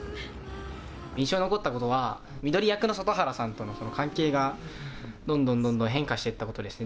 印象に残ったことは翠役の外原さんとのその関係がどんどんどんどん変化していったことですね。